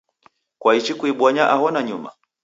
kwaichi kuibonya aho nanyuma?